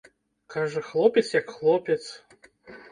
Кажа, хлопец як хлопец.